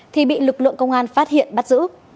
thì bị lực lượng công an phát hiện bắt giữ